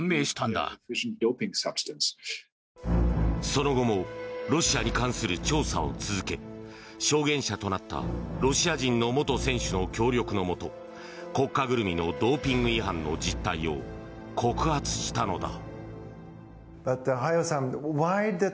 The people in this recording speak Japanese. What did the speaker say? その後もロシアに関する調査を続け証言者となったロシア人の元選手の協力のもと国家ぐるみのドーピング違反の実態を告発したのだ。